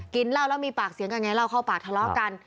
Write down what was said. ก็มีปากเสียงกันไงเราเข้าปากทะเลาะกัน